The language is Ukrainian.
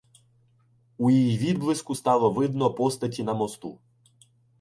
У її відблиску стало видно постаті на мосту.